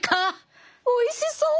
おいしそう。